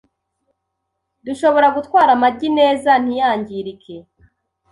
dushobora gutwara amagi neza ntiyangirike